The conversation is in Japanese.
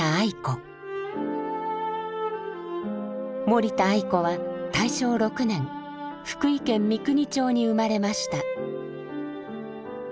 森田愛子は大正６年福井県三国町に生まれました。